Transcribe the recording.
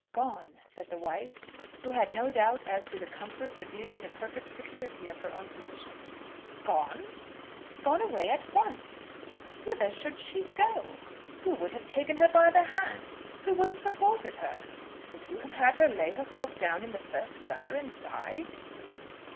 "Gone," said the wife, who had no doubt as to the comfort, the beauty, the perfect security of her own position. "Gone?" "Gone away at once." "Whither should she go? Who would have taken her by the hand? Who would have supported her? Would you have had her lay herself down in the first gutter and die?"